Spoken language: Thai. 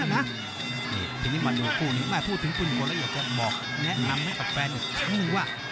ทีนี้มาดูคู่นี้แม่พูดถึงคุณฝนแล้วอยากจะบอกแนะนำให้กับแฟนอีกครั้งหนึ่งว่า